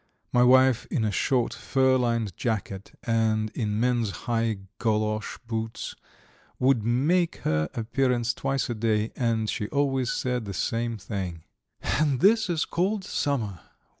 My wife in a short fur lined jacket, and in men's high golosh boots, would make her appearance twice a day, and she always said the same thing: "And this is called summer!